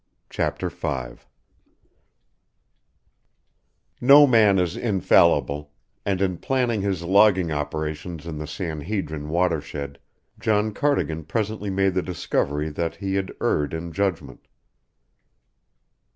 CHAPTER V No man is infallible, and in planning his logging operations in the San Hedrin watershed, John Cardigan presently made the discovery that he had erred in judgment.